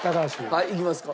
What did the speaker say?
はいいきますか？